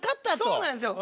そうなんですよ。